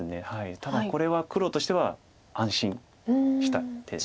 ただこれは黒としては安心した手で。